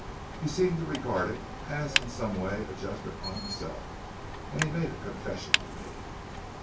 He seemed to regard it as in some way a judgment on himself, and he made a confession to me."